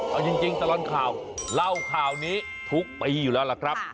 เอาจริงตลอดข่าวเล่าข่าวนี้ทุกปีอยู่แล้วล่ะครับ